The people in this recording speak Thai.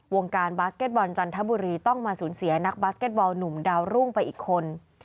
วงการบาสเก็ตบอลจันทบุรีต้องมาสูญเสียนักบาสเก็ตบอลหนุ่มดาวรุ่งไปอีกคน